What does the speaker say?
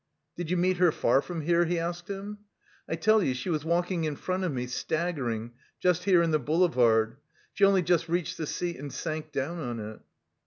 "Did you meet her far from here?" he asked him. "I tell you she was walking in front of me, staggering, just here, in the boulevard. She only just reached the seat and sank down on it."